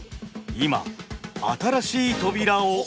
今新しい扉を開く。